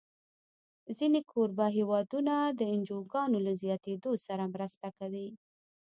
ځینې کوربه هېوادونه د انجوګانو له زیاتېدو سره مرسته کوي.